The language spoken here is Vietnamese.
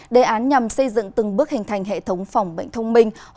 đề án nhằm xây dựng từng bước hình thành hệ thống phòng bệnh thông minh